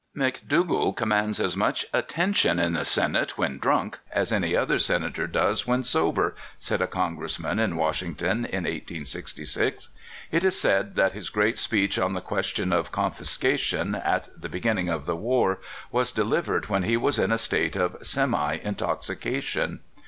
" McDougall commands as much attention in the Senate when drunk as any other Senator does when sober," said a Congressman in Washington in 1866. It is said that his great speech on the question of " Confiscation," at the beginning of the war, was delivered when he was in a state of semiintoxication.